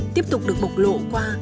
tiếp tục được bộc lộ qua